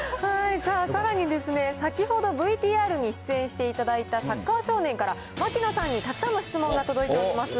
さあさらに、先ほどＶＴＲに出演していただいたサッカー少年から、槙野さんにたくさんの質問が届いております。